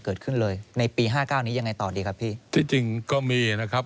เกิดขึ้นเลยในปีห้าเก้านี้ยังไงต่อดีครับพี่ที่จริงก็มีนะครับ